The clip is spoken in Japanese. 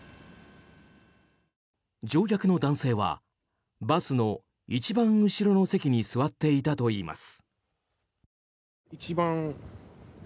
乗客の男性はバスの一番後ろの席に座っていたといいます。